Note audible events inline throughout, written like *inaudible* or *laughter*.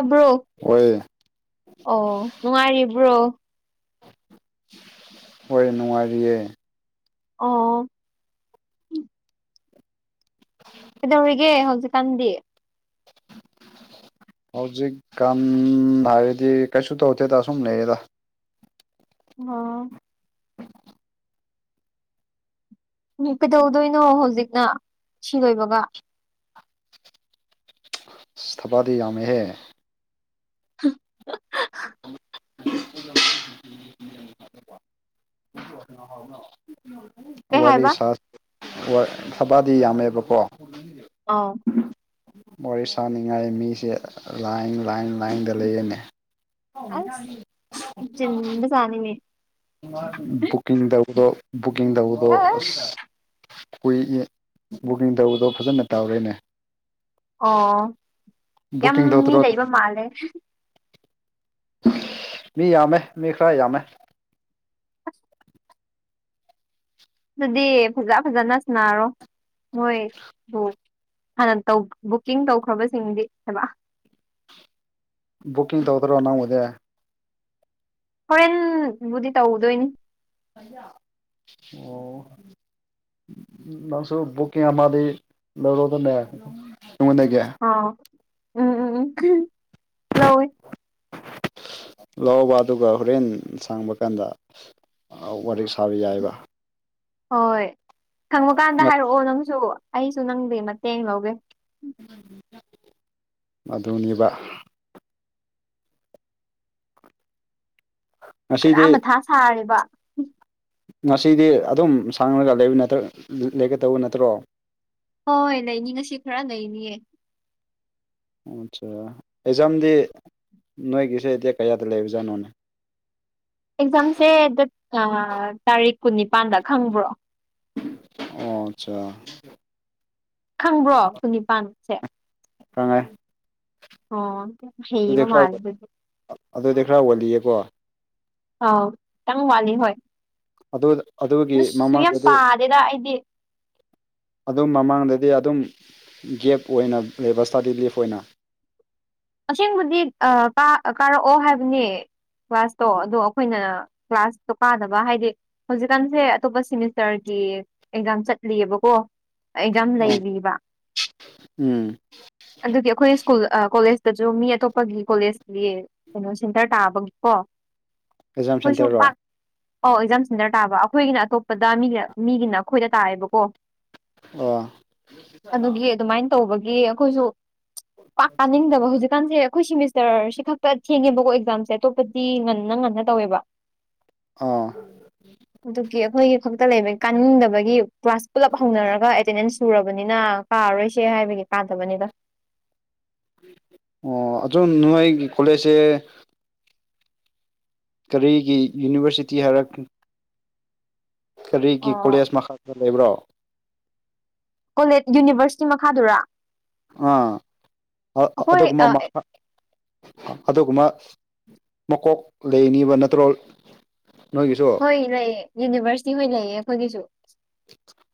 ꯑꯕ꯭ꯔꯣ ꯍꯣꯏ꯫ ꯑꯣ ꯅꯨꯡꯉꯥꯏꯔꯤꯕ꯭ꯔꯣ꯫ ꯍꫭꯏ ꯅꯨꯡꯉꯥꯏꯔꯤꯌꯦ꯫ ꯑꯣ꯫ ꯀꯩꯗꯧꯔꯤꯒꯦ ꯍꯧꯖꯤꯛꯀꯥꯟꯗꯤ꯫ *unintelligible* ꯍꯧꯖꯤꯛꯀꯥꯟ ꯍꯥꯏꯔꯗꯤ ꯀꯩꯁꯨ ꯇꯧꯗꯦꯗ ꯑꯁꯨꯝ ꯂꯩꯌꯦꯗ꯫ ꯑꯣ꯫ ꯀꯩꯗꯧꯗꯣꯏꯅꯣ ꯍꯧꯖꯤꯛꯅ ꯁꯤ ꯂꯣꯏꯕꯒ꯫ ꯁ ꯊꯕꯥꯗꯤ ꯌꯥꯃꯦꯍꯦ꯫ *unintelligible* ꯀꯩ ꯋꯥꯔꯤꯦ ꯍꯥꯏꯕ ꯁꯥꯁ ꯍꯣꯏ ꯊꯕꯥꯗꯤ ꯌꯥꯝꯃꯦꯕꯀꯣ ꯑꯣ ꯎꯝ ꯋꯥꯔꯤ ꯁꯅꯤꯡꯉꯥꯏ ꯃꯤꯁꯦ ꯂꯥꯏꯟ ꯂꯥꯏꯟ ꯂꯥꯏꯟꯗ ꯂꯩꯌꯦꯅꯦ ꯑꯁ ꯆꯤꯟꯕꯖꯥꯠꯅꯤꯅꯦ꯫ ꯕꯨꯀꯤꯡꯗꯧꯕꯗꫭ ꯕꯨꯀꯤꯡꯗꯧꯕꯗꯣ ꯑꯁ ꯀꯨꯏ ꯑꯦ ꯕꯨꯀꯤꯡ ꯇꯧꯕꯗꯣ ꯐꯖꯅ ꯇꯧꯔꯦꯅꯦ꯫ ꯑꯣ ꯌꯥꯝ ꯕꯨꯛꯀꯤꯡ ꯃꯤ ꯇꯧꯗ꯭ꯔꯣ ꯂꯩꯕ ꯃꯥꯜꯂꯦ꯫ ꯃꯤ ꯌꯥꯝꯃꯦ ꯃꯤ ꯈꯔ ꯌꯥꯝꯃꯦ꯫ ꯑꯗꯨꯗꯤ ꯐꯖ ꯐꯖꯅ ꯁꯟꯅꯔꯣ ꯃꯣꯏꯗꯨ꯫ ꯍꯥꯟꯅ ꯕꯨꯛꯀꯤꯡ ꯇꯧꯈ꯭ꯔꯕꯁꯤꯡꯗꯤ ꯍꯥꯏꯕ꯫ ꯕꯨꯛꯀꯤꯡ ꯇꯧꯗ꯭ꯔꯣ ꯅꯪꯕꯨꯗꯤ꯫ ꯍꯣꯔꯦꯟꯕꯨꯗꯤ ꯇꯧꯗꯣꯏꯅꯤ ꯑꯣ ꯅꯪꯁꯨ ꯕꯨꯀꯤꯡ ꯑꯃꯗꯤ ꯂꯧꯔꯣꯗꯅꯦ ꯇꯨꯡꯉꯟꯅꯒꯦ ꯑꯥꯎ ꯎꯝ ꯎꯝ ꯎꯝ ꯂꯧꯎꯦ ꯂꯕ ꯑꯗꯨꯒ ꯍꯣꯔꯦꯟ ꯁꯥꯡꯕ ꯀꯥꯟꯗ ꯋꯥꯔꯤ ꯁꯥꯕ ꯌꯥꯏꯑꯕ ꯍꯣꯏ ꯈꯪꯕ ꯀꯥꯟꯗ ꯍꯥꯏꯔꯛꯑꯣ ꯅꯪꯁꯨ ꯑꯩꯁꯨ ꯅꯪꯗꯤ ꯃꯇꯦꯡ ꯂꯧꯒꯦ ꯃꯗꯨꯅꯤꯕ ꯈꯔ ꯉꯁꯤꯗꯤ ꯃꯊꯥ ꯁꯥꯔꯦꯕ꯫ ꯉꯁꯤꯗꯤ ꯑꯗꯨꯝ ꯁꯥꯡꯉꯒ ꯂꯩꯕ ꯅꯠꯇꯔ ꯂꯩꯒꯗꯧꯕ ꯅꯠꯇ꯭ꯔꯣ꯫ ꯍꯣꯏ ꯍꯣꯏ ꯂꯩꯅꯤ ꯉꯁꯤ ꯈꯔ ꯂꯩꯅꯤꯌꯦ꯫ ꯑꯠꯆꯥꯥ ꯑꯦꯛꯖꯥꯝꯗꯤ ꯅꯣꯏꯒꯤꯁꯦ ꯗꯦꯠ ꯀꯌꯥꯗ ꯂꯩꯕꯖꯥꯠꯅꯣꯅꯦ꯫ ꯑꯦꯛꯖꯥꯝꯁꯦ ꯗꯦꯠ ꯇꯥꯔꯤꯛ ꯀꯨꯟꯅꯤꯄꯥꯟꯗ ꯈꯪꯕ꯭ꯔꯣ꯫ ꯑꯣ ꯑꯆꯥ꯫ ꯈꯪꯕ꯭ꯔꯣ ꯀꯨꯟꯅꯤꯄꯥꯟꯁꯦ꯫ ꯈꯪꯉꯦ꯫ ꯑꯣ꯫ ꯑꯗꯨꯗꯤ ꯍꯩꯕ ꯃꯥꯜꯂꯦ ꯈꯔ ꯑꯗꯨꯗꯤ ꯑꯗꯨꯗꯤ ꯈꯔ ꯑꯣꯜꯂꯤꯌꯦꯀꯣ꯫ ꯑꯥꯎ ꯈꯤꯇꯪ ꯋꯥꯠꯂꯤ ꯍꯣꯏ ꯑꯗꯨ ꯑꯗꯨꯒꯤ ꯑꯁ ꯌꯥꯝ ꯃꯃꯥꯡꯗꯗꯤ ꯄꯥꯗꯦꯗ ꯑꯩꯗꯤ꯫ ꯑꯗꯨꯝ ꯃꯃꯥꯡꯗꯗꯤ ꯑꯗꯨꯝ ꯒꯦꯞ ꯑꯣꯏꯅ ꯂꯩꯕ ꯏꯁꯇꯗꯤ ꯂꯤꯐ ꯑꯣꯏꯅ꯫ ꯑꯁꯦꯡꯕꯗꯤ ꯀꯥꯔꯛꯑꯣ ꯍꯥꯏꯕꯅꯦ꯫ ꯀ꯭ꯂꯥꯁꯇꯣ ꯑꯗꯣ ꯑꯩꯈꯣꯏꯅ ꯀ꯭ꯂꯥꯁꯇꯣ ꯀꯥꯗꯕ ꯍꯥꯏꯗꯤ꯫ ꯍꯧꯖꯤꯛꯀꯥꯟꯁꯦ ꯑꯇꯣꯞꯄ ꯁꯦꯃꯤꯁꯇꯔꯒꯤ ꯑꯦꯛꯖꯥꯝ ꯆꯠꯂꯤꯑꯦꯕꯀꯣ꯫ ꯑꯦꯛꯖꯥꯝ ꯑꯣ ꯂꯩꯕ ꯎꯝ ꯑꯗꯨꯗꯤ ꯑꯩꯈꯣꯏ ꯁ꯭ꯀꯨꯜ ꯑꯥ ꯀꯣꯂꯦꯖ꯫ ꯇꯁꯨ ꯃꯤ ꯑꯇꯣꯞꯄꯒꯤ ꯀꯣꯂꯦꯖꯀꯤ ꯀꯩꯅꯣ ꯁꯦꯟꯇꯔ ꯇꯥꯕꯒꯤꯀꯣ꫰꫰ ꯑꯦꯛꯖꯥꯝ ꯈꯣꯏꯁꯨ ꯁꯦꯟꯇꯔꯔꯣ ꯄꯛ꯫ ꯑꯧ ꯑꯦꯛꯖꯥꯝ ꯁꯦꯟꯇꯔ ꯇꯥꯕ ꯑꯩꯈꯣꯏꯒꯤꯅ ꯑꯇꯣꯞꯄꯗ ꯃꯤꯒꯤ ꯃꯤꯒꯤꯅ ꯑꯩꯈꯣꯏꯗ ꯇꯥꯑꯦꯕꯀꯣ꯫ ꯑꯣ꯫ ꯑꯗꯨꯒꯤ ꯑꯗꯨꯃꯥꯏꯅ ꯇꯧꯕꯒꯤ ꯑꯩꯈꯣꯏꯁꯨ ꯄꯥꯥꯛ ꯀꯅꯤꯡꯗꯕ ꯍꯧꯖꯤ꯫ ꯑꯩꯈꯣꯏ ꯁꯦꯃꯤꯁꯇꯔꯁꯤ ꯈꯛꯇ ꯊꯦꯡꯉꯦꯕꯀꯣ ꯑꯦꯛꯖꯥꯝꯁꯦ ꯑꯇꯣꯞꯄꯗꯤ ꯉꯟꯅ ꯉꯟꯅ ꯇꯧꯋꯦꯕ꯫ ꯑꯥ ꯑꯗꯨꯒꯤ ꯑꯩꯈꯣꯏ꯫ ꯈꯛꯇ ꯂꯩꯕꯒꯤ ꯀꯥꯅꯤꯡꯗꯕꯒꯤ ꯀ꯭ꯂꯥꯁ ꯄꯨꯜꯂꯞ ꯍꯧꯅꯔꯒ ꯑꯦꯇꯦꯟꯗꯦꯟꯁ ꯁꯨꯔꯕꯅꯤꯅ꯫ ꯀꯥꯔꯣꯏꯁꯦ ꯍꯥꯏꯕꯒꯤ ꯀꯥꯗꯕꯅꯤꯗ꯫ ꯑꯣ ꯑꯗꯨꯝ ꯅꯣꯏꯒꯤ ꯀꯣꯂꯦꯖꯁꯦ꯫ ꯀꯔꯤꯒꯤ ꯌꯨꯅꯤꯚꯔꯁꯤꯇꯤ ꯍꯥꯏꯔꯛ ꯀꯔꯤꯒꯤ ꯑꯣ ꯀꯣꯂꯦꯖ ꯃꯈꯥꯗ ꯂꯩꯕ꯭ꯔꯣ꯫ ꯀꯣꯂꯦꯗ ꯌꯨꯅꯤꯚꯔꯁꯤꯇꯤ ꯃꯈꯥꯗꯨꯔꯥ꯫ ꯑꯥ ꯑꯗꯨ ꯑꯩꯈꯣꯏ ꯑ ꯃꯈꯥ꯫ ꯑꯗꯨꯒꯨꯝꯕ ꯃꯀꯣꯛ ꯂꯩꯅꯤꯕ ꯅꯠꯇ꯭ꯔꯣ ꯅꯣꯏꯒꯤꯁꯨ꯫ ꯍꯣꯏ ꯂꯩꯌꯦ ꯌꯨꯅꯤꯚꯔꯁꯤꯇꯤ ꯍꯣꯏ ꯂꯩꯌꯦ ꯑꯩꯈꯣꯏꯒꯤꯁꯨ꯫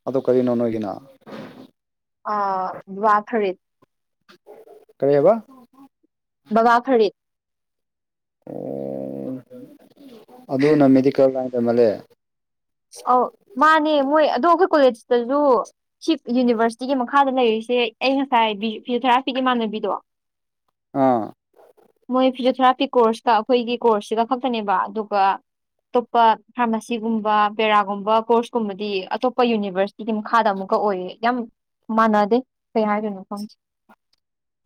ꯑꯗꯨ ꯀꯔꯤꯅꯣ ꯅꯣꯏꯒꯤꯅ꯫ ꯑ ꯋꯥꯊꯔꯤ꯫ ꯀꯔꯤ ꯍꯥꯏꯕ꯫ ꯕꯥꯒ ꯈꯔꯤꯠ꯫ ꯑꯣ ꯑꯗꯨꯅ ꯃꯦꯗꯤꯀꯦꯜ ꯂꯥꯏꯟ ꯇꯝꯃꯜꯂꯦ꯫ ꯑꯧ ꯃꯥꯅꯦ ꯃꯣꯏ ꯑꯗꯣ ꯑꯩꯈꯣꯏ ꯀꯣꯂꯦꯖꯇꯁꯨ ꯁꯤ ꯌꯨꯅꯤꯚꯔꯁꯤꯇꯤꯒꯤ ꯃꯈꯥꯗ ꯂꯩꯔꯤꯁꯦ ꯑꯩ ꯉꯁꯥꯏ ꯐꯤꯖꯑꯣꯊꯦꯔꯥꯄꯤꯤꯒꯤ ꯃꯥꯟꯅꯕꯤꯗꯣ ꯑꯥ ꯃꯣꯏ ꯐꯤꯖꯤꯑꯣꯊꯦꯔꯥꯄꯤꯤ ꯀ ꯀꯣꯔꯁ ꯑꯩꯈꯣꯏꯒꯤ ꯀꯣꯔꯁꯁꯤꯒ ꯈꯛꯇꯅꯦꯕ ꯑꯗꯨꯒ ꯑꯇꯣꯞꯄ ꯐꯥꯔꯃꯥꯁꯤꯒꯨꯝꯕ ꯄꯦꯔꯥꯒꯨꯝꯕ ꯀꯣꯔꯁꯀꯨꯝꯕꯗꯤ ꯑꯇꯣꯞꯄ ꯌꯨꯅꯤꯚꯔꯁꯤꯇꯤꯒꯤ ꯃꯈꯥꯗ ꯑꯃꯨꯛꯀ ꯑꯣꯏꯌꯦ ꯌꯥꯝ ꯃꯥꯟꯅꯗꯦ ꯀꯩ ꯍꯥꯏꯗꯣꯏꯅꯣ ꯈꯪꯗꯦ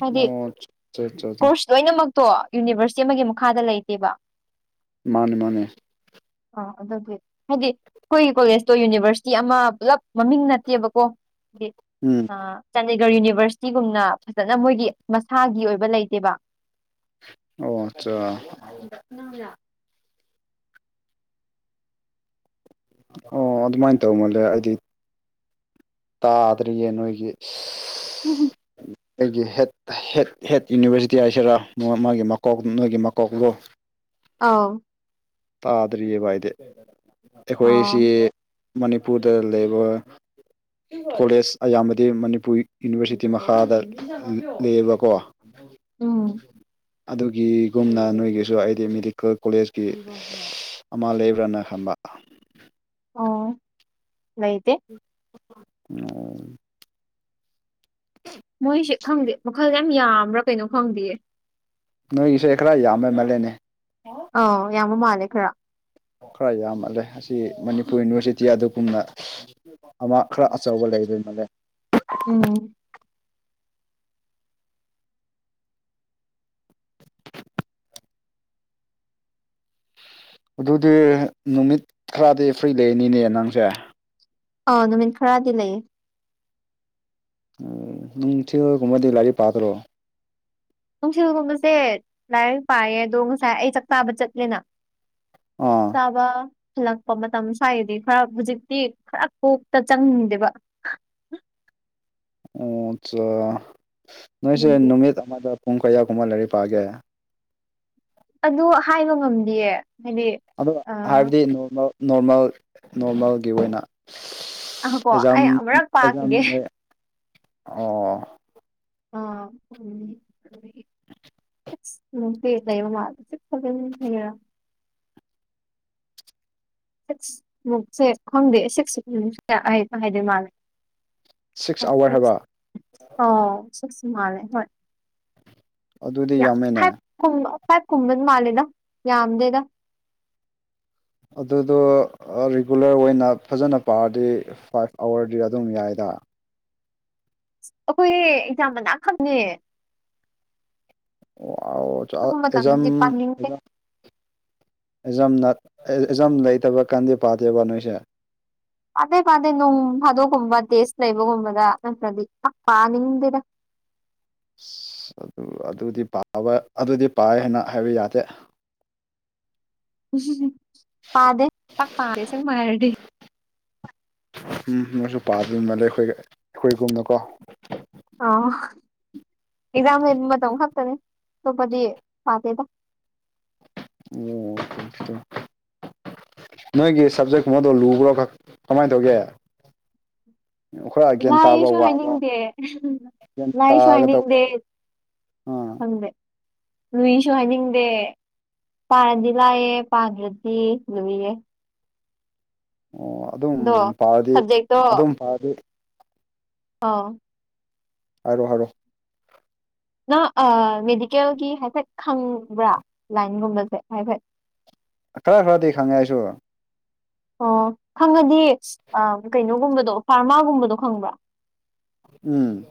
ꯍꯥꯏꯗꯤ ꯑꯣ ꯑꯆꯥ ꯀꯣꯔꯁ ꯂꯣꯏꯅꯃꯛꯇꯣ ꯌꯨꯅꯤꯚꯔꯁꯤꯇꯤ ꯑꯃꯒꯤ ꯃꯈꯥꯗ ꯂꯩꯇꯦꯕ꯫ ꯃꯥꯅꯦ ꯃꯥꯅꯦ꯫ ꯑ ꯑꯗꯨꯒꯤ꯫ ꯍꯥꯏꯗꯤ ꯑꯩꯈꯣꯏꯒꯤ ꯀꯣꯂꯦꯁꯇꯣ ꯌꯨꯅꯤꯚꯔꯁꯤꯇꯤ ꯑꯃ ꯄꯨꯂꯞ ꯃꯃꯤꯡ ꯅꯠꯇꯦꯕꯀꯣ ꯍꯥꯏꯗꯤ꯫ ꯎꯝ ꯑ ꯆꯥꯟꯗꯤꯒꯔ ꯌꯨꯅꯤꯚꯔꯁꯤꯇꯤꯒꯨꯝꯅ ꯐꯖꯅ ꯃꯣꯏꯒꯤ ꯃꯁꯥꯒꯤ ꯑꯣꯏꯕ ꯂꯩꯇꯦꯕ ꯑꯣ ꯑꯆꯥ ꯑꯣ ꯑꯗꯨꯃꯥꯏꯅ ꯇꯧ ꯃꯥꯜꯂꯦ ꯍꯥꯏꯗꯤ ꯇꯥꯗ꯭ꯔꯤꯌꯦ ꯅꯣꯏꯒꯤ ꯎꯝꯍꯝ ꯑꯩꯒꯤ ꯍꯦꯠ ꯍꯦꯠ ꯍꯦꯠ ꯌꯨꯅꯤꯚꯔꯁꯤꯇꯤ ꯍꯥꯏꯁꯤꯔꯥ ꯃꯥꯒꯤ ꯃꯀꯣꯛ ꯅꯣꯏꯒꯤ ꯃꯀꯣꯛꯇꯣ ꯑꯥꯎ ꯇꯥꯗ꯭ꯔꯤꯑꯕ ꯍꯥꯏꯗꯤ ꯑꯥ ꯑꯩꯈꯣꯏꯁꯤ ꯃꯅꯤꯄꯨꯔꯗ ꯂꯩꯕ ꯀꯣꯂꯦꯖ ꯑꯌꯥꯝꯕꯗꯤ ꯃꯅꯤꯄꯨꯔ ꯌꯨꯅꯤꯚꯔꯁꯤꯇꯤ ꯃꯈꯥꯗ ꯂꯩꯌꯦꯕꯀꯣ ꯎꯝ ꯑꯗꯨꯒꯤꯒꯨꯝꯅ ꯅꯣꯏꯒꯤꯁꯨ ꯑꯩꯗꯤ ꯃꯦꯗꯤꯀꯦꯜ ꯀꯣꯂꯦꯖꯀꯤ ꯑꯃ ꯂꯩꯕ꯭ꯔꯅ ꯈꯟꯕ ꯑꯣ ꯂꯩꯇꯦ ꯑꯣ *inaudible* ꯃꯣꯏꯁꯦ ꯈꯪꯗꯦ ꯃꯈꯜ ꯌꯥꯝ ꯌꯥꯝꯕ꯭ꯔꯥ ꯀꯩꯅꯣ ꯈꯪꯗꯦꯌꯦ ꯅꯣꯏꯒꯤ ꯏꯁꯩꯦ ꯈꯔ ꯌꯥꯝꯃꯦ ꯃꯥꯜꯂꯦꯅꯦ ꯑ ꯌꯥꯝꯕ ꯃꯥꯜꯂꯦ ꯈꯔ ꯈꯔ ꯌꯥꯝꯃꯜꯂꯦ ꯑꯁꯤ ꯃꯅꯤꯄꯨꯔ ꯌꯨꯅꯤꯚꯔꯁꯤꯇꯤ ꯑꯗꯨꯒꯨꯝꯅ ꯑꯃ ꯈꯔ ꯑꯆꯧꯕ ꯂꯩꯗꯣꯏ ꯃꯥꯜꯂꯦ ꯎꯝ ꯑꯗꯨꯗꯤ ꯅꯨꯃꯤꯠ ꯈꯔꯗꯤ ꯐ꯭ꯔꯤ ꯂꯩꯅꯤꯅꯦ ꯅꯪꯁꯦ ꯑ ꯅꯨꯃꯤꯠ ꯈꯔꯗꯤ ꯂꯩꯌꯦ ꯎ ꯁꯤꯒ ꯀꯨꯝꯃꯗꯤ ꯂꯔꯤ ꯄꯥꯗꯣꯔꯣ ꯅꯨꯡꯁꯤꯕꯒꯨꯝꯕꯁꯦ ꯂꯥꯏꯔꯤꯛ ꯄꯥꯏꯌꯦ ꯑꯗꯣ ꯉꯁꯥꯏ ꯑꯩ ꯆꯥꯛꯇꯥꯥꯕ ꯆꯠꯂꯦꯅ ꯑꯥ ꯇꯥꯕ ꯍꯜꯂꯛꯄ ꯃꯇꯝ ꯁ꯭ꯋꯥꯏꯗꯤ ꯈꯔ ꯍꯧꯖꯤꯛꯇꯤ ꯈꯔ ꯀꯣꯛꯇ ꯆꯪꯅꯤꯡꯗꯦꯕ ꯑꯣ ꯑꯆꯥ ꯅꯣꯏꯁꯦ ꯑꯗꯨꯒꯤ ꯅꯨꯃꯤꯠ ꯑꯃꯗ ꯄꯨꯡ ꯀꯌꯥ ꯀꯨꯝꯕ ꯂꯥꯏꯔꯤꯛ ꯄꯥꯑꯒꯦ ꯑꯗꯨ ꯍꯥꯏꯕ ꯉꯝꯗꯤꯌꯦ ꯍꯥꯏꯗꯤ ꯑꯗꯣ ꯑ ꯍꯥꯏꯕꯗꯤ ꯅꯣꯔꯃꯦꯜ ꯅꯣꯔꯃꯦꯜ ꯅꯣꯔꯃꯦꯜꯒꯤ ꯑꯣꯏꯅ ꯑꯀꯣ ꯑꯦꯖꯝ ꯑꯩ ꯑꯃꯨꯔꯛ ꯑꯦꯖꯝ ꯄꯥꯈꯤꯒꯦ ꯑꯣ ꯑꯣ *unintelligible* *unintelligible* ꯁꯤꯛꯁ ꯑꯋꯥꯔ ꯍꯥꯏꯕ ꯑꯣꯥꯎ ꯁꯤꯛ ꯃꯥꯂꯦ ꯍꯣꯏ ꯑꯗꯨꯗꯤ ꯌꯥꯝꯃꯦꯅꯦ ꯀꯨꯝꯃ ꯐꯥꯝ ꯀꯨꯝꯕ ꯃꯥꯂꯦꯗ ꯌꯥꯝꯗꯦꯗ ꯑꯗꯨꯗꯣ ꯔꯤꯒꯨꯂꯔ ꯑꯣꯏꯅ ꯐꯖꯅ ꯄꯥꯔꯗꯤ ꯐꯥꯏꯚ ꯑꯋꯥꯔꯗꯤ ꯑꯗꯨꯝ ꯌꯥꯏꯗ ꯑꯩꯈꯣꯏ ꯏꯖ ꯃꯅꯥ ꯈꯛꯅꯦ ꯑꯣ ꯑ ꯑꯗꯨꯒꯨꯝꯕ ꯃꯇꯝꯗꯗꯤ ꯄꯥꯅꯤꯡꯗꯦ ꯑꯦꯖꯝꯖ ꯑꯦꯖꯝꯅ ꯑꯦꯖꯝ ꯂꯩꯇꯕ ꯀꯟꯗꯤ ꯄꯥꯗꯦꯕ ꯅꯣꯏꯁꯦ ꯄꯥꯗꯩ ꯄꯥꯗꯩ ꯅꯣꯡ ꯐꯥꯗꯣꯛꯀꯨꯝꯕ ꯇꯦꯁ ꯂꯩꯕꯒꯨꯝꯕꯗ ꯅꯠꯇ꯭ꯔꯗꯤ ꯄꯥꯅꯤꯡꯗꯦꯗ ꯑꯁ ꯑꯗꯨ ꯑꯗꯨꯗꯤ ꯄꯥꯕ ꯑꯗꯨꯗꯤ ꯄꯥꯏ ꯍꯥꯏꯅ ꯍꯥꯏꯕ ꯌꯥꯗꯦ ꯎꯝꯍꯝ ꯄꯥꯗꯦ ꯄꯥꯛꯄꯥꯗꯦ ꯑꯁꯦꯡꯕ ꯍꯥꯏꯔꯗꯤ ꯎꯝ ꯃꯣꯏꯁꯨ ꯄꯥꯗ ꯃꯥꯜꯂꯦ ꯑꯩꯈꯣꯏꯒ ꯑꯩꯈꯣꯏꯒꯨꯝꯅꯀꯣ ꯑꯥ ꯑꯦꯖꯝ ꯂꯩꯕ ꯃꯇꯝ ꯈꯛꯇꯅꯦ ꯑꯇꯣꯞꯄꯗꯤ ꯄꯥꯇꯦꯗ ꯑꯣ ꯅꯣꯏꯒꯤ ꯁꯞꯖꯦꯛꯀꯨꯝꯕꯗꯣ ꯂꯨꯕ꯭ꯔꯣ ꯈꯛ ꯀꯃꯥꯏꯅ ꯇꯧꯒꯦ ꯈꯔ ꯒ꯭ꯌꯥꯟ ꯇꯥꯕ ꯋꯥꯏꯌꯦꯁꯨ ꯋꯥꯕ ꯍꯥꯏꯅꯤꯡꯗꯦ ꯒ꯭ꯌꯥꯟ ꯂꯥꯏꯁꯨ ꯇꯥꯒꯗꯧꯕ ꯍꯥꯏꯅꯤꯡꯗꯦ ꯑꯥ ꯈꯪꯗꯦ ꯂꯨꯏꯁꯨ ꯍꯥꯏꯅꯤꯡꯗꯦ ꯄꯥꯔꯗꯤ ꯂꯥꯏꯌꯦ ꯄꯥꯗ꯭ꯔꯗꯤ ꯂꯨꯏꯌꯦ ꯑꯣ ꯑꯗꯨꯝ ꯑꯗꯣ ꯄꯥꯔꯗꯤ ꯁꯕꯖꯦꯛꯇꯣ ꯑꯗꯨꯝ ꯄꯥꯔꯗꯤ ꯑꯥꯎ ꯍꯥꯏꯔꯣ ꯍꯥꯏꯔꯣ ꯅꯪ ꯑꯥ ꯃꯦꯗꯤꯀꯦꯜꯒꯤ ꯍꯥꯏꯐꯦꯠ ꯈꯪꯕ꯭ꯔꯥ ꯂꯥꯏꯟꯒꯨꯝꯕꯁꯦ ꯍꯥꯏꯐꯦꯠ ꯈꯔ ꯈꯔꯗꯤ ꯈꯪꯉꯦ ꯑꯩꯁꯨ ꯑꯣ ꯈꯪꯉꯗꯤ ꯑꯥ ꯀꯩꯅꯣꯒꯨꯝꯕꯗꯣ ꯐꯥꯔꯃꯥꯒꯨꯝꯕꯗꯣ ꯈꯪꯕ꯭ꯔꯥ ꯎꯝ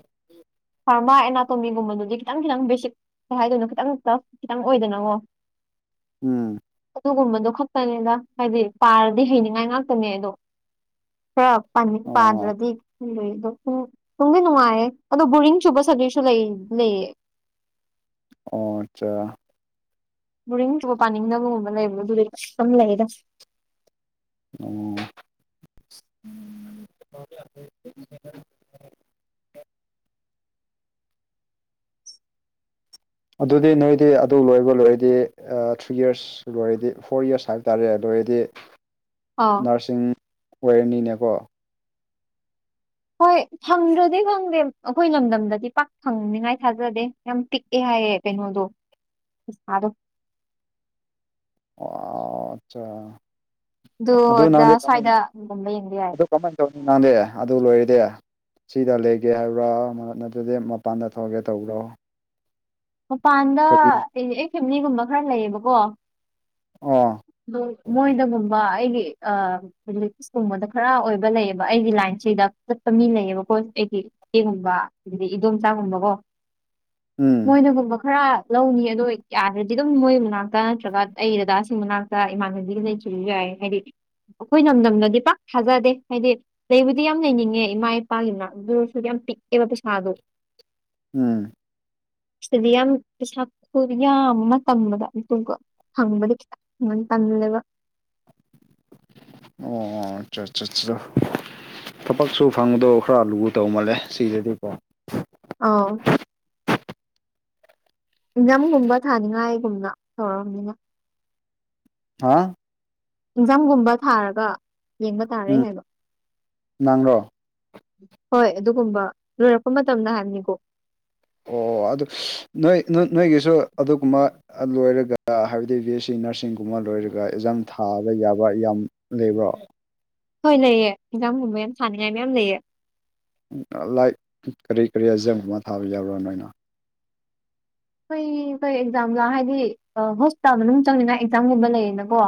ꯐꯥꯔꯃꯥ ꯑꯦꯅꯥꯇꯣꯃꯤꯒꯨꯝꯕꯗꯨꯗꯤ ꯈꯤꯇꯪ ꯈꯤꯇꯪ ꯕꯦꯁꯤꯛ ꯀꯩ ꯍꯥꯏꯗꯣꯏꯅꯣ ꯈꯤꯇꯪ ꯇꯛ ꯈꯤꯇꯪ ꯑꯣꯏꯗꯅꯀꯣ ꯎꯝ ꯑꯗꯨꯒꯨꯝꯕꯗꯣ ꯈꯛꯇꯅꯤꯗ ꯍꯥꯏꯗꯤ ꯄꯥꯔꯗꯤ ꯍꯩꯅꯤꯡꯉꯥꯏ ꯉꯥꯛꯇꯅꯦ ꯑꯗꯣ ꯈꯔ ꯄꯥꯅꯤꯡ ꯑꯣ ꯄꯥꯗ꯭ꯔꯗꯤꯏ ꯑꯗꯨꯗꯣ ꯅꯨꯡꯗꯤ ꯅꯨꯡꯉꯥꯏꯌꯦ ꯑꯗꯣ ꯕꯣꯔꯤꯡ ꯁꯨꯕ ꯁꯖꯤꯁꯨ ꯂꯩ ꯂꯩꯌꯦ ꯑꯣ ꯑꯠꯆꯥ ꯕꯣꯔꯤꯡ ꯆꯨꯕ ꯄꯥꯅꯤꯡꯗꯕꯒꯨꯝꯕ ꯂꯩꯕ ꯑꯗꯨꯗꯤ ꯑꯗꯨꯝ ꯂꯩꯗ ꯎꯣ ꯑꯗꯨꯗꯤ ꯅꯣꯏꯗꯤ ꯑꯗꯨ ꯂꯣꯏꯕ ꯂꯣꯏꯔꯗꯤ ꯊ꯭ꯔꯤ ꯏꯌ꯭ꯔꯁ ꯑꯁ ꯂꯣꯏꯔꯗꯤ ꯍꯣꯏ ꯌꯦꯁ ꯍꯥꯏꯕ ꯇꯥꯔꯦ ꯑꯗꯨꯑꯣꯏꯔꯗꯤ ꯑꯥ ꯅꯔꯁꯤꯡ ꯑꯣꯏꯔꯅꯤꯅꯦꯀꯣ ꯍꯣꯏ ꯐꯪꯗ꯭ꯔꯗꯤ ꯈꯪꯗꯦ ꯑꯩꯈꯣꯏ ꯂꯝꯗꯝꯗꯗꯤ ꯄꯥꯛ ꯐꯪꯅꯤꯉꯥꯏ ꯊꯥꯖꯗꯦ ꯌꯥꯝ ꯄꯤꯛꯑꯦ ꯍꯥꯏꯌꯦ ꯀꯩꯅꯣꯗꯣ ꯄꯩꯁꯥꯗꯣ ꯑꯣ ꯑꯠꯆꯥ ꯑꯗꯨ ꯑꯗꯨꯗꯥ ꯅꯪꯗꯤ ꯀꯃꯥꯏ ꯁꯋꯥꯗꯒꯨꯝꯕ ꯌꯦꯡꯕ ꯌꯥꯏ ꯑꯗꯨ ꯀꯃꯥꯏꯅ ꯇꯧꯅꯤ ꯅꯪꯗꯤ ꯑꯗꯨ ꯂꯣꯏꯔꯗꯤ ꯁꯤꯗ ꯂꯩꯒꯦ ꯍꯥꯏꯕ꯭ꯔꯥ ꯑꯗꯨꯗꯤ ꯃꯄꯥꯟꯗ ꯊꯣꯛꯑꯒꯦ ꯇꯧꯕ꯭ꯔꯣ ꯃꯄꯥꯟꯗ ꯀꯔꯤ ꯑꯩ ꯑꯩ ꯐꯦꯃꯤꯂꯤꯒꯨꯝꯕ ꯈꯔ ꯂꯩꯌꯦꯕꯀꯣ ꯑꯣ ꯃꯣꯏꯗꯒꯨꯝꯕ ꯑꯩꯒꯤ ꯑꯥ ꯀꯨꯝꯕꯗ ꯈꯔ ꯑꯣꯏꯕ ꯂꯩꯌꯦꯕ ꯑꯩꯒꯤ ꯂꯥꯏꯟꯁꯤꯗ ꯆꯠꯄ ꯃꯤ ꯂꯩꯌꯦꯕꯀꯣ ꯑꯩꯒꯤ ꯏꯁꯦ ꯒꯨꯝꯕ ꯑꯗꯒꯤ ꯏꯗꯣꯝꯆꯥ ꯒꯨꯝꯕꯀꯣ ꯎꯝ ꯃꯣꯏꯅꯒꯨꯝꯕ ꯈꯔ ꯂꯧꯅꯤ ꯑꯗꯣ ꯌꯥꯗ꯭ꯔꯗꯤ ꯑꯗꯨꯝ ꯃꯣꯏ ꯃꯅꯥꯛꯇ ꯅꯠꯇ꯭ꯔꯒ ꯑꯩ ꯗꯥꯗꯥꯁꯤꯡ ꯃꯅꯥꯛꯇ ꯏꯃꯥꯟꯅꯕꯤ ꯂꯩ ꯁ ꯌꯥꯏ ꯍꯥꯏꯗꯤ ꯑꯩꯈꯣꯏ ꯅꯝꯗꯝꯗꯗꯤ ꯄꯥꯛ ꯊꯥꯖꯗꯦ ꯍꯥꯏꯗꯤ ꯂꯩꯕꯨꯗꯤ ꯌꯥꯝ ꯂꯩꯅꯤꯡꯉꯦ ꯏꯃꯥ ꯏꯄꯥꯒꯤ ꯅꯥꯛꯇ ꯑꯗꯨ ꯌꯥꯝ ꯄꯤꯛꯑꯦꯕ ꯄꯩꯁꯥꯗꯣ ꯎꯝ ꯁꯤꯗꯗꯤ ꯌꯥꯝ ꯄꯩꯁꯥ ꯈꯨꯌꯥꯝ ꯑꯃ ꯇꯝꯕꯗ ꯑꯗꯨꯒ ꯐꯪꯕꯗꯤ ꯈꯤꯇꯪ ꯌꯥꯝ ꯇꯟꯂꯦꯕ ꯑꯣ ꯑꯆꯥ ꯑꯆꯥ ꯊꯕꯛꯁꯨ ꯐꯪꯕꯗꯣ ꯈꯔ ꯂꯨꯒꯗꯧ ꯃꯥꯜꯂꯦ ꯁꯤꯗꯗꯤꯀꯣ ꯑꯥꯎ ꯑꯦꯖꯥꯝꯒꯨꯝꯕ ꯊꯥꯅꯤꯡꯉꯥꯏꯒꯨꯝꯅ ꯇꯧꯔꯕꯅꯤꯅ ꯍꯥ ꯑꯦꯖꯥꯝꯒꯨꯝꯕ ꯊꯥꯔꯒ ꯌꯦꯡꯕ ꯇꯥꯔꯦ ꯎꯝ ꯍꯥꯏꯕ ꯅꯪꯔꯣ ꯍꯣꯏ ꯑꯗꯨꯒꯨꯝꯕ ꯂꯣꯏꯔꯛꯄ ꯃꯇꯝꯗ ꯍꯥꯏꯕꯅꯤꯀꯣ ꯑꯣ ꯑꯗꯨ ꯅꯣꯏ ꯅꯣꯏꯒꯤꯁꯨ ꯑꯗꯨꯒꯨꯝꯕ ꯂꯣꯏꯔꯒ ꯍꯥꯏꯕꯗꯤ ꯕꯤ ꯑꯦꯁ ꯁꯤ ꯅꯔꯁꯤꯡꯒꯨꯝꯕ ꯂꯣꯏꯔꯒ ꯑꯦꯛꯖꯥꯝ ꯊꯥꯕ ꯌꯥꯕ ꯌꯥꯝ ꯂꯩꯕ꯭ꯔꯣ ꯍꯣꯏ ꯂꯩꯑꯦ ꯑꯦꯛꯖꯥꯝꯒꯨꯝꯕ ꯌꯥꯝ ꯊꯥꯅꯤꯡꯉꯥꯏ ꯃꯌꯥꯝ ꯂꯩꯑꯦ ꯂꯥꯏꯛ ꯀꯔꯤ ꯀꯔꯤ ꯑꯦꯖꯝꯒꯨꯝ ꯑꯃ ꯊꯥꯕ ꯌꯥꯎꯕꯔꯣ ꯅꯣꯏꯅ ꯀꯩ ꯀꯩ ꯑꯦꯛꯖꯥꯝꯅꯣ ꯍꯥꯏꯗꯤ ꯍꯣꯁꯄꯤꯇꯥꯜ ꯃꯅꯨꯡ ꯆꯪꯅꯤꯡꯉꯥꯢ ꯑꯦꯛꯖꯥꯝꯒꯨꯝꯕ ꯂꯩꯌꯦꯅꯀꯣ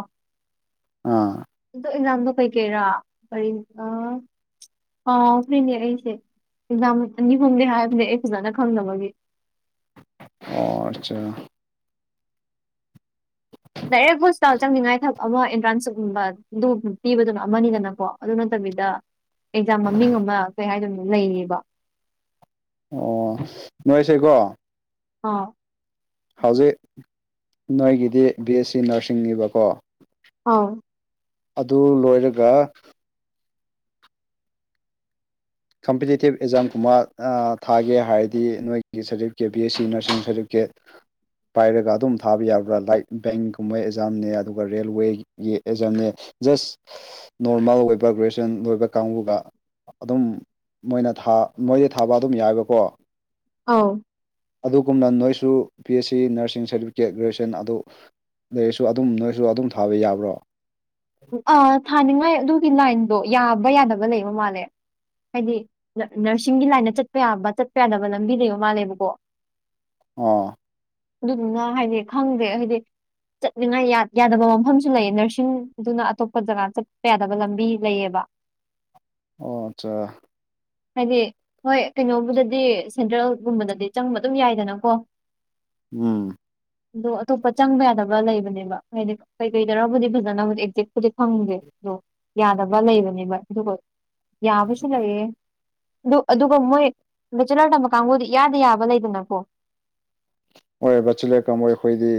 ꯑꯥ ꯑꯗꯣ ꯑꯦꯛꯖꯥꯝꯗꯣ ꯀꯩꯀꯩꯔꯥ ꯀꯔꯤ ꯀꯥꯎ ꯀꯥꯎꯈ꯭ꯔꯅꯦ ꯑꯩꯁꯦ ꯑꯦꯛꯖꯥꯝ ꯑꯅꯤ ꯑꯍꯨꯝꯗꯤ ꯍꯥꯏꯕꯅꯦ ꯑꯩ ꯐꯖꯅ ꯈꯪꯗꯕꯒꯤ ꯑꯣ ꯑꯆꯥ ꯗꯥꯏꯔꯦꯛ ꯍꯣꯁꯄꯤꯇꯥꯜ ꯆꯪꯅꯤꯡꯉꯥꯏ ꯊꯕꯛ ꯑꯃ ꯑꯦꯟꯇ꯭ꯔꯥꯟꯁꯀꯨꯝꯕꯗꯨ ꯄꯤꯕꯗꯨꯅ ꯑꯃꯅꯤꯗꯅꯀꯣ ꯑꯗꯨ ꯅꯠꯇꯕꯤꯗ ꯑꯦꯛꯖꯥꯝ ꯃꯃꯤꯡ ꯑꯃ ꯀꯩ ꯍꯥꯏꯗꯣꯏꯅꯣ ꯂꯩꯌꯦꯕ ꯑꯣ ꯅꯣꯢꯁꯦꯀꯣ ꯑꯥ ꯍꯧꯖꯤꯛ ꯅꯣꯏꯒꯤꯗꯤ ꯕꯤ ꯑꯦꯁ ꯁꯤ ꯅꯔꯁꯤꯡꯅꯦꯕꯀꯣ ꯑꯥꯎ ꯑꯗꯨ ꯂꯣꯏꯔꯒ ꯀꯝꯄꯤꯇꯤꯇꯤꯞ ꯑꯦꯛꯖꯥꯝꯒꯨꯝꯕ ꯊꯥꯒꯦ ꯍꯥꯏꯔꯗꯤ ꯅꯣꯏꯒꯤ ꯁꯥꯔꯇꯤꯐꯤꯀꯦꯠ ꯕꯤ ꯑꯦꯁ ꯁꯤ ꯅꯔꯁꯤꯡ ꯁꯥꯔꯇꯤꯐꯤꯀꯦꯠ ꯄꯥꯏꯔꯒ ꯑꯗꯨꯝ ꯊꯥꯕ ꯌꯥꯕ꯭ꯔꯥ ꯂꯥꯏꯠ ꯕꯦꯡꯒꯨꯝꯕ ꯑꯦꯛꯖꯥꯝꯅꯦ ꯑꯗꯨꯒ ꯔꯦꯜꯋꯦꯒꯤ ꯑꯦꯖꯝꯅꯦ ꯖꯥꯁ ꯅꯣꯔꯃꯦꯜ ꯑꯣꯏꯕ ꯒ꯭ꯔꯦꯖꯨꯋꯟ ꯑꯣꯏꯕ ꯀꯥꯡꯕꯨꯒ ꯑꯗꯨꯝ ꯃꯣꯏꯅꯥ ꯃꯣꯏꯗ ꯊꯥꯕ ꯑꯗꯨꯝ ꯌꯥꯏꯑꯦꯕꯀꯣ ꯑꯥꯎ ꯑꯗꯨꯒꯨꯝꯅ ꯅꯣꯏꯁꯨ ꯄꯤ ꯑꯦꯁ ꯁꯤ ꯅꯔꯁꯤꯡ ꯁꯥꯔꯇꯤꯐꯤꯀꯦꯠ ꯒ꯭ꯔꯦꯖꯨꯑꯌꯦꯁꯟ ꯑꯗꯨ ꯂꯩꯔꯁꯨ ꯑꯗꯨꯝ ꯅꯣꯏꯁꯨ ꯑꯗꯨꯝ ꯊꯥꯕ ꯌꯥꯕ꯭ꯔꯣ ꯑꯥ ꯊꯥꯅꯤꯡꯉꯥꯏ ꯑꯗꯨꯒꯤ ꯂꯥꯏꯟꯗꯣ ꯌꯥꯕ ꯌꯥꯗꯕ ꯂꯩꯕ ꯃꯥꯜꯂꯦ ꯍꯥꯏꯗꯤ ꯅꯔꯁꯤꯡꯒꯤ ꯂꯥꯢꯟꯗ ꯆꯠꯄ ꯌꯥꯕ ꯆꯠꯄ ꯌꯥꯗꯕ ꯂꯝꯕꯤ ꯂꯩꯕ ꯃꯥꯜꯂꯦꯕꯀꯣ ꯑꯣ ꯑꯗꯨꯗꯨꯅ ꯍꯥꯏꯗꯤ ꯈꯪꯗꯦ ꯍꯥꯏꯗꯤ ꯆꯠꯅꯤꯡꯉꯥꯏ ꯌꯥꯗꯕ ꯃꯐꯝꯁꯨ ꯂꯩꯌꯦ ꯅꯔꯁꯤꯡ ꯑꯗꯨꯅ ꯑꯇꯣꯞꯄ ꯖꯒꯥ ꯆꯠꯄ ꯌꯥꯗꯕ ꯂꯝꯕꯤ ꯂꯩꯌꯦꯕ ꯑꯣ ꯑꯠꯆꯥ ꯍꯥꯏꯦ ꯍꯣꯏ ꯀꯩꯅꯣꯕꯨꯗꯗꯤ ꯁꯦꯟꯇ꯭ꯔꯦꯜꯒꯨꯝꯕꯗꯗꯤ ꯆꯪꯕ ꯑꯗꯨꯝ ꯌꯥꯏꯗꯅꯀꯣ ꯎꯝ ꯑꯗꯣ ꯑꯇꯣꯞꯄ ꯆꯪꯕ ꯌꯥꯗꯕ꯭ꯔꯥ ꯂꯩꯕꯅꯦꯕ ꯍꯥꯏꯗꯤ ꯀꯩꯀꯩꯗꯔꯕꯨꯗꯤ ꯐꯖꯅꯕꯨ ꯠꯄꯨꯗꯤ ꯐꯪꯗꯦ ꯑꯗꯣ ꯌꯥꯗꯕ ꯂꯩꯕꯅꯦꯕ ꯑꯗꯨꯒ ꯌꯥꯕꯁꯨ ꯂꯩꯌꯦ ꯑꯗꯨ ꯑꯗꯨꯒ ꯃꯣꯏ ꯕꯦꯆꯨꯂꯔ ꯇꯝꯕ ꯀꯥꯡꯕꯨꯗꯤ ꯌꯥꯗ ꯌꯥꯕ ꯂꯩꯗꯅꯀꯣ ꯍꯣꯏꯕꯆꯂꯦꯛꯀꯕꯨꯣꯏ ꯑꯩꯈꯣꯏꯗꯤ